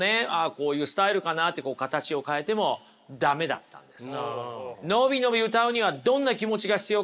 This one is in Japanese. こういうスタイルかなって形を変えても駄目だったんです。